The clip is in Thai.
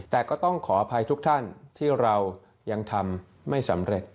แต่ก็ต้องขออภัยทุกท่านที่เรายังทำไม่สำเร็จ